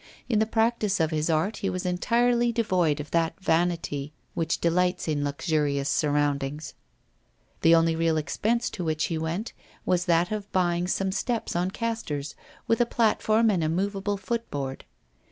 In the practice of his art he was entirely devoid of that vanity which delights in luxurious surroundings. The only real expense to which he went was that of buying some steps on castors, with a platform and a movable footboard.